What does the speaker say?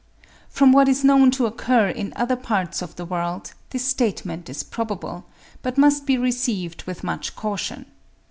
From what is known to occur in other parts of the world, this statement is probable; but must be received with much caution.